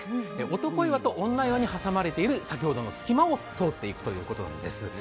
男岩と女岩に挟まれている先ほどの隙間を通っていくということなんです。